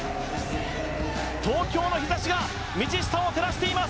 東京の日ざしが、道下を照らしています。